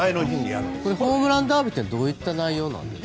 ホームランダービーってどういった内容なんですか。